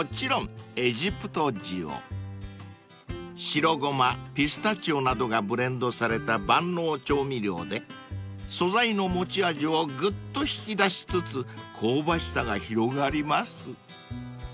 ［白ごまピスタチオなどがブレンドされた万能調味料で素材の持ち味をぐっと引き出しつつ香ばしさが広がります］